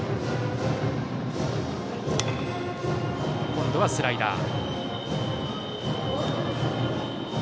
今度はスライダー。